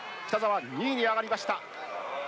北沢、２位に上がりました。